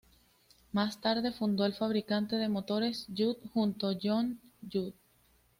Más tarde fundó el fabricante de motores Judd junto a John Judd.